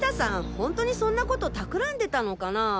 ホントにそんなこと企んでたのかなぁ？